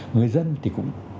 người dân thì cũng